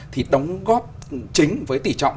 thì đóng góp chính với tỷ trọng